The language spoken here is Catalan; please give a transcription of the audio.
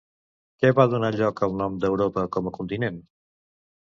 Què va donar lloc al nom d'Europa com a continent?